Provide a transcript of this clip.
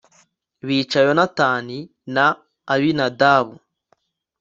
bica Yonatani d na Abinadabu